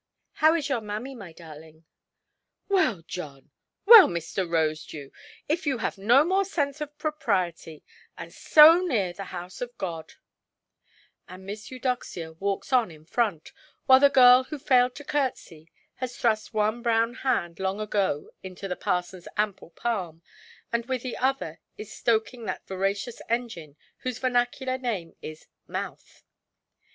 How is your mammy, my darling"? "Well, John—well, Mr. Rosedew!—If you have no more sense of propriety—and so near the house of God——" And Miss Eudoxia walks on in front, while the girl who failed to curtsey has thrust one brown hand long ago into the parsonʼs ample palm, and with the other is stoking that voracious engine whose vernacular name is "mouth".